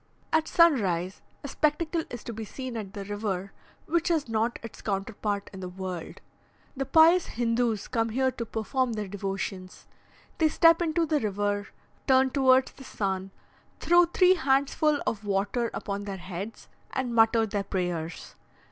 At sunrise, a spectacle is to be seen at the river which has not its counterpart in the world. The pious Hindoos come here to perform their devotions; they step into the river, turn towards the sun, throw three handsful of water upon their heads, and mutter their prayers.